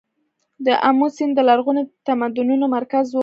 د امو سیند د لرغونو تمدنونو مرکز و